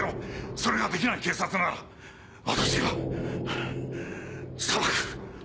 それができない警察なら私が裁く！